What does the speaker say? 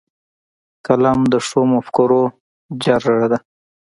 قلم د ښو مفکورو جرړه ده